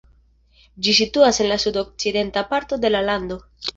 Ĝi situas en la sudokcidenta parto de la lando.